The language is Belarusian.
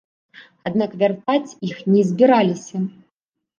Аднак вяртаць іх не збіраліся.